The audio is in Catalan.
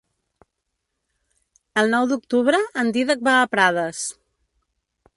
El nou d'octubre en Dídac va a Prades.